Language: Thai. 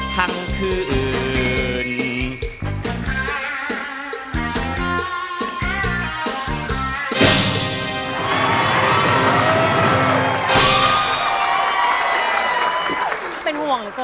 ทั้งคืออื่น